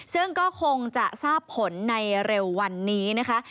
ซึ่งก็คงจะทราบผลในเร็ววันนี้นะคะ